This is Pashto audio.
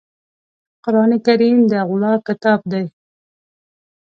قرآن کریم د الله ﷺ کتاب دی.